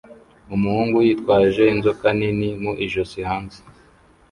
Umuhungu yitwaje inzoka nini mu ijosi hanze